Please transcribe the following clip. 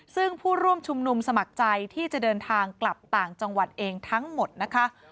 ซึ่งผู้ร่วมชุมนุมสมัครใจที่จะเดินทางกลับต่างจังหวัดเองทั้งหมดนะคะ